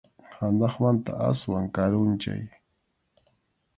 Hanaqmanta aswan karunchay.